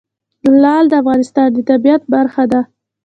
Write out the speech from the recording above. لعل د افغانستان د طبیعت برخه ده.